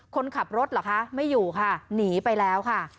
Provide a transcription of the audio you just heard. คนขับรถเหรอคะไม่อยู่ค่ะหนีไปแล้วค่ะ